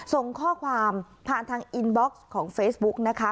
ส่งข้อความผ่านทางอินบ็อกซ์ของเฟซบุ๊กนะคะ